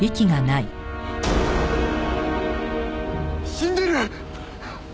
死んでる！